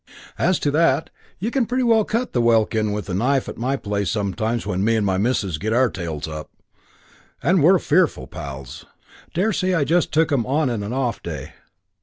As to that, you can pretty well cut the welkin with a knife at my place sometimes when me and my missus get our tails up; and we're fearful pals. Daresay I just took 'em on an off day.